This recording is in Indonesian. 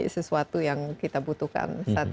sesuatu yang kita butuhkan saat ini